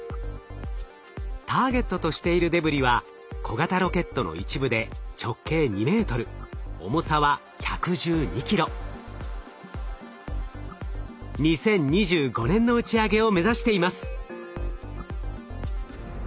ターゲットとしているデブリは小型ロケットの一部で２０２５年の打ち上げを目指しています。